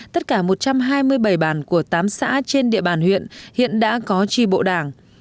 tất cả một trăm hai mươi bảy bản của tám xã trên địa bàn huyện hiện đã có tri bộ đảng